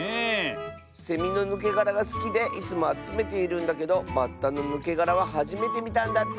セミのぬけがらがすきでいつもあつめているんだけどバッタのぬけがらははじめてみたんだって。